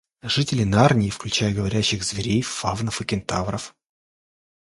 Жители Нарнии, включая говорящих зверей, фавнов и кентавров